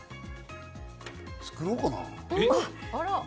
作ろうかな。